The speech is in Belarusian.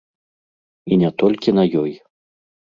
І не толькі на ёй.